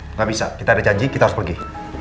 nggak bisa kita ada janji kita harus pergi